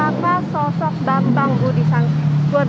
lalu siapa sosok bambang budi sutantono